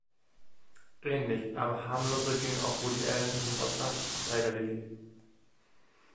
Ähnlich, aber harmloser, ging auch Woody Allen in What's Up Tiger Lily?